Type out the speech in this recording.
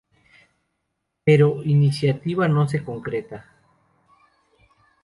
Pero iniciativa no se concretaría.